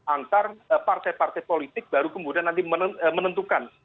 antar partai partai politik baru kemudian nanti menentukan